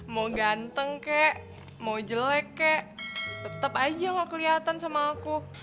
mau ganteng kek mau jelek kek tetap aja gak kelihatan sama aku